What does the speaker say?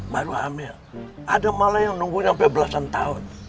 baru hamil ada malah yang nunggu sampai belasan tahun